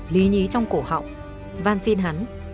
lý nhí trong cổ họng van xin hắn